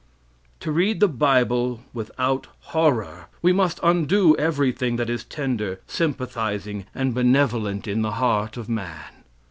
"To read the Bible without horror, we must undo everything that is tender, sympathizing, and benevolent in the heart of man.